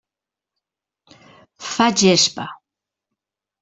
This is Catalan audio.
Fa gespa.